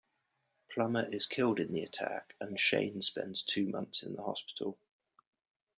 Plummer is killed in the attack, and Shane spends two months in the hospital.